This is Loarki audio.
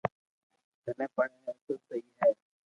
ٿني پڙي ھي تو سھي ھي